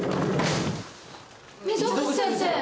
溝口先生！